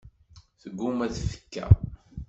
Tegguma tfekka.